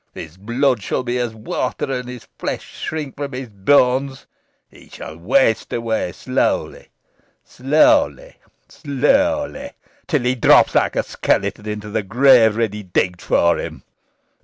His blood shall be as water, and his flesh shrink from his bones. He shall waste away slowly slowly slowly till he drops like a skeleton into the grave ready digged for him.